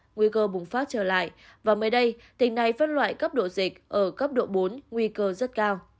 nguy cơ bùng phát trở lại và mới đây tỉnh này phân loại cấp độ dịch ở cấp độ bốn nguy cơ rất cao